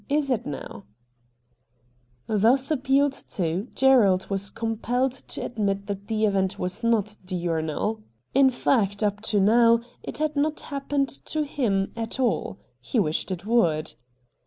Is it now ?' Thus appealed to, Gerald was compelled to admit that the event was not diurnal. In fact, 6o RED DIAMONDS up to now, it had not happened to him at all. He wished it would.